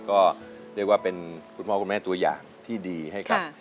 ก็เรียกว่าเป็นคุณพ่อคุณแม่ตัวอย่างที่ดีให้กับ